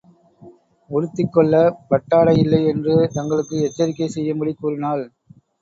உடுத்திக் கொள்ளப் பட்டாடையில்லை என்று தங்களுக்கு எச்சரிக்கை செய்யும்படி கூறினாள்.